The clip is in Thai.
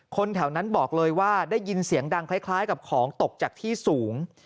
แถวนั้นบอกเลยว่าได้ยินเสียงดังคล้ายกับของตกจากที่สูง